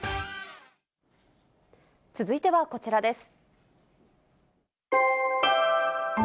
続いては、こちらです。